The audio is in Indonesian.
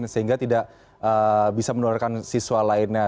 sehingga tidak bisa menularkan siswa lainnya